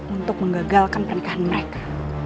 untuk menggagalkan pernikahan mereka